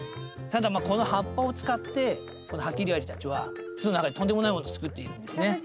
ただまあこの葉っぱを使ってハキリアリたちは巣の中にとんでもないものを作っていくんですね。